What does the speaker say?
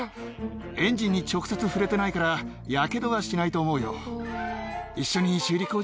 エンジンに直接触れてないから、やけどはしないと思うよ。